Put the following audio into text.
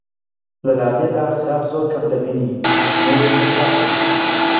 لە لادێدا خراب زۆر کەم دەبینی نێر و مێ چاکن